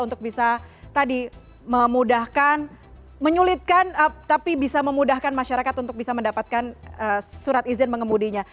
untuk bisa tadi memudahkan menyulitkan tapi bisa memudahkan masyarakat untuk bisa mendapatkan surat izin mengemudinya